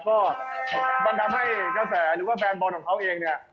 ก็มันทำให้กระแสหรือว่าแฟนบอลของเขาเองเนี่ย